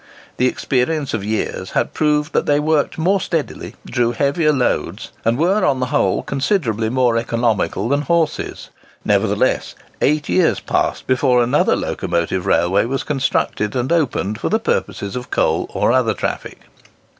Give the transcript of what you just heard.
The experience of years had proved that they worked more steadily, drew heavier loads, and were, on the whole, considerably more economical than horses. Nevertheless eight years passed before another locomotive railway was constructed and opened for the purposes of coal or other traffic.